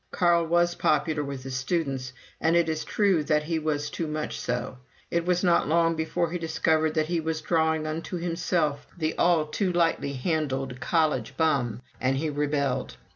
Carl was popular with the students, and it is true that he was too much so. It was not long before he discovered that he was drawing unto himself the all too lightly handled "college bum," and he rebelled.